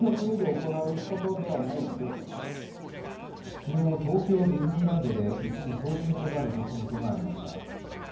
昨日、東京ディズニーランドで一時、騒然となる出来事がありました。